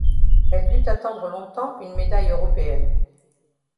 Elle dut attendre longtemps une médaille européenne.